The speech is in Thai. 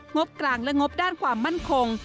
งบกลางและงบด้านความมั่นคง